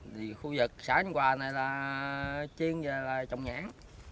thì khu vực xã văn hòa này là chiên về là trồng nhãn